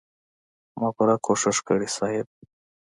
ما پوره کوشش کړی صيب.